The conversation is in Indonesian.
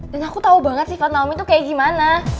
dan aku tau banget sifat naomi tuh kayak gimana